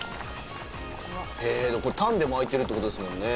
これタンで巻いてるってことですもんね